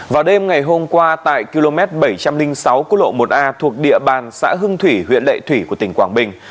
vào đêm ngày hôm qua tại km bảy trăm linh sáu cô lộ một a thuộc địa bàn xã hưng thủy huyện lệ thủy của tỉnh quảng bình